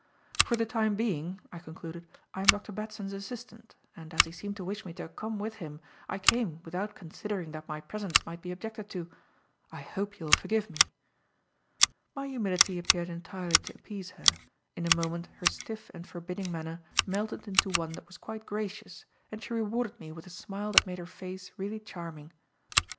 "For the time being," I concluded, "I am Dr. Batson's assistant, and, as he seemed to wish me to come with him, I came without considering that my presence might be objected to. I hope you will forgive me." My humility appeared entirely to appease her; in a moment her stiff and forbidding manner melted into one that was quite gracious and she rewarded me with a smile that made her face really charming.